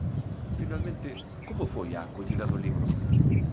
Finalmente, como foi a acollida do libro?